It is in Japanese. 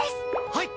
はい！